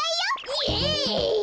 イエイ！